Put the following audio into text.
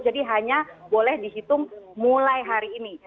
hanya boleh dihitung mulai hari ini